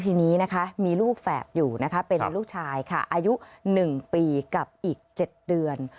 ทีนี้มีลูกแฝบอยู่เป็นลูกชายอายุ๑ปีกับอีก๗เดือน